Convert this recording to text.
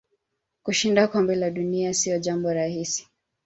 Kushinda kombe la dunia sio jambo rahisi